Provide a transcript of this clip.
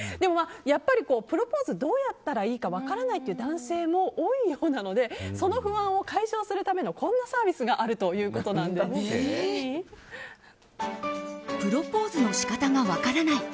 やっぱりプロポーズどうやったらいいか分からないという男性も多いようなのでその不安を解消するためのこんなサービスがあるプロポーズの仕方が分からない。